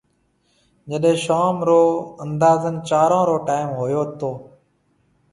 جڏي شوم رو اندازن چارون رو ٽيم هوئيو هتو۔